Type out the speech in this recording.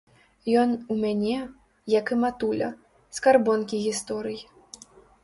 Ён у мяне, як і матуля, скарбонкі гісторый.